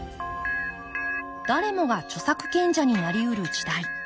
誰もが著作権者になりうる時代。